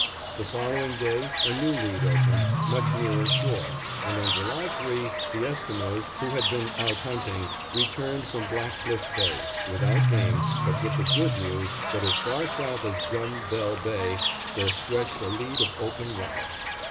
The following day a new lead opened much nearer shore, and on July 3 the Esquimos, who had been out hunting, returned from Black Cliff Bay, without game, but with the good news that as far south as Dumb Bell Bay there stretched a lead of open water.